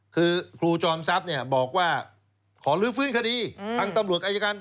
คือครูจอมทรัพย์เนี่ยบอกว่าขอลื้อฟื้นคดีทางตำรวจอายการ